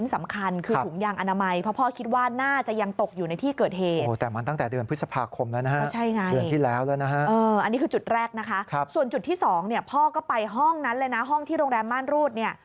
ส่วนจุดที่สองพ่อก็ไปห้องนั้นเลยนะห้องที่โรงแรมม่านรูด